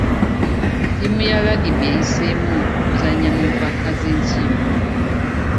Ttiimu ya lagibe eyiseemu okuzannya mu mpaka z'ensi yonna.